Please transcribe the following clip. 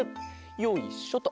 よいしょと。